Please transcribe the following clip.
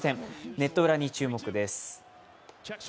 ネット裏に注目です。